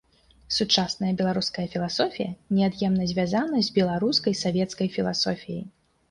Сучасная беларуская філасофія неад'емна звязана з беларускай савецкай філасофіяй.